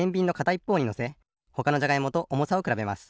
いっぽうにのせほかのじゃがいもとおもさをくらべます。